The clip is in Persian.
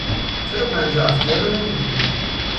چرا پنجاه و هفتیا رو نمی گی؟